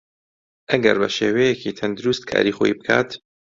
ئەگەر بەشێوەیەکی تەندروست کاری خۆی بکات